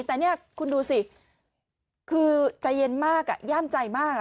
แต่นี่คุณดูสิคือใจเย็นมากย่ามใจมาก